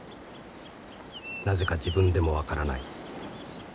なぜか自分でも分からない。